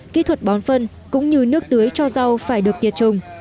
các phương phân cũng như nước tưới cho rau phải được tiệt trùng